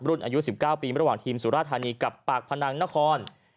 อายุ๑๙ปีระหว่างทีมสุราธานีกับปากพนังนคร